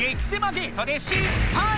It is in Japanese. ゲートで失敗！